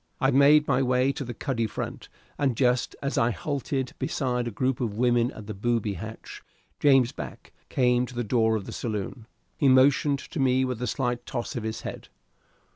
I made my way to the cuddy front, and just as I halted beside a group of women at the booby hatch, James Back came to the door of the saloon. He motioned to me with a slight toss of his head.